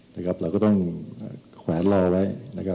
เราก็ต้องแขวนรอไว้